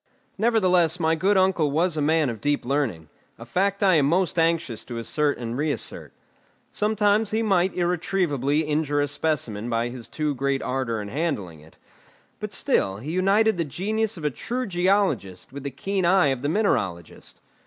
Nevertheless my good uncle was a man of deep learning a fact I am most anxious to assert and reassert. Sometimes he might irretrievably injure a specimen by his too great ardour in handling it; but still he united the genius of a true geologist with the keen eye of the mineralogist.